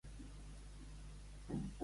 Quines sensacions van sobrevenir-lo?